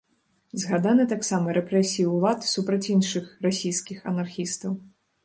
Згаданы таксама рэпрэсіі ўлад супраць іншых расійскіх анархістаў.